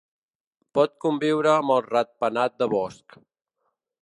Pot conviure amb el ratpenat de bosc.